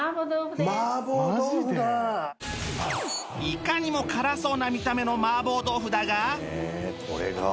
いかにも辛そうな見た目の麻婆豆腐だが